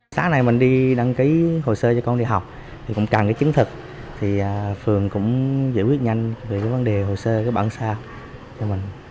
xã này mình đi đăng ký hồ sơ cho con đi học thì cũng cần cái chứng thực thì phường cũng giải quyết nhanh về cái vấn đề hồ sơ cái bản sao cho mình